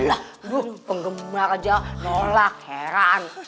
aduh penggemar aja nolak heran